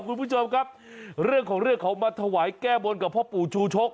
คุณผู้ชมครับเรื่องของเรื่องเขามาถวายแก้บนกับพ่อปู่ชูชก